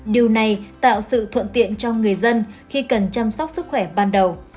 điều này tạo sự thuận tiện cho người dân khi cần chăm sóc sức khỏe ban đầu